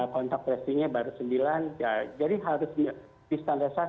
kontak presidennya baru sembilan jadi distandarsasi harus minimal satu kasus